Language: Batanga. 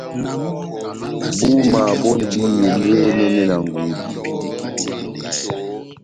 Búma bondi elé enɛnɛ na ngudi.